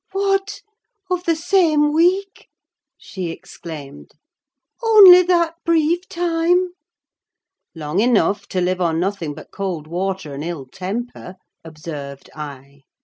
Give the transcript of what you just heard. "What! of the same week?" she exclaimed. "Only that brief time?" "Long enough to live on nothing but cold water and ill temper," observed I.